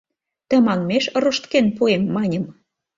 Тыманмеш рошткен пуэм, маньым.